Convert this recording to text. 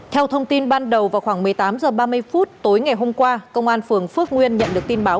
theo thông tin ban đầu vào khoảng một mươi tám h ba mươi phút tối ngày hôm qua công an phường phước nguyên nhận được tin báo